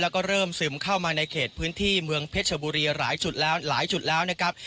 แล้วก็เริ่มซึมเข้ามาในเขตพื้นที่เมืองเพชรชบุรีหลายจุดแล้วหลายจุดแล้วนะครับ